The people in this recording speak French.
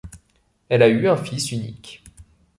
Elle a eu un fils unique.